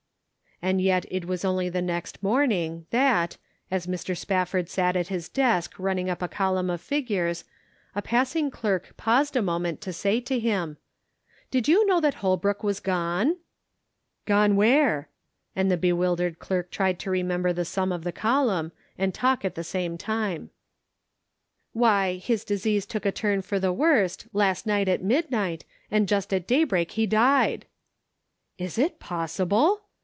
And yet it was only the next morning that, as Mr. Spafford sat at his desk running up a column of figures, a passing clerk paused a moment to say to him : 462 The Pocket Measure. " Did you know that Holbrook was gone ?"" Gone where ?" and the bewildered clerk tried to remember the sum of the column, and talk at the same time. " Why, his disease took a turn for the worst, last night at midnight, and just at day break he died." " Is it possible